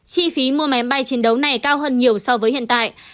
chi phí mua máy bay chiến đấu này cao hơn nhiều so với hiện tại